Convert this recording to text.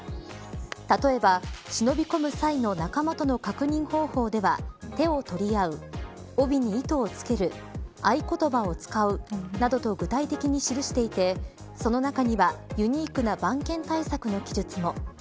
例えば、忍び込む際の仲間との確認方法では手を取り合う帯に糸を付ける合言葉を使うなどと具体的に記していてその中にはユニークな番犬対策の記述も。